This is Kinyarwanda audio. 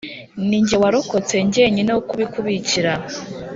Ni jye warokotse jyenyine wo kubikubikira.